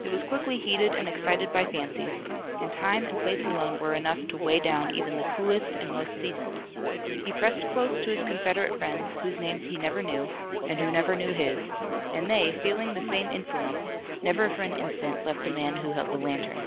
It was quickly heated and excited by fancies, and time and place alone were enough to weigh down even the coolest and most seasoned. He pressed close to his Confederate friends, whose names he never knew, and who never knew his, and they, feeling the same influence, never for an instant left the man who held the lantern.